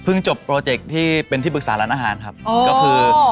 เพิ่งจบโปรเจ็กต์ที่เป็นที่บึกษาร้านอาหารครับก็คือโอ้